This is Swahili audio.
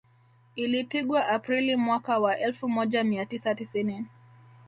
Ilipigwa Aprili mwaka wa elfu moja mia tisa tisini